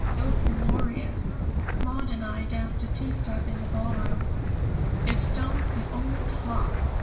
It was glorious. Maud and I danced a two step in the ballroom. "If stones could only talk!